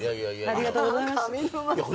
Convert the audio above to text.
ありがとうございます。